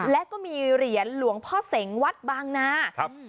และก็มีเหรียญหลวงพ่อเสงวัดบางนาครับ